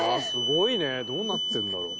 どうなってるんだろう。